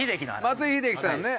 松井秀喜さんね。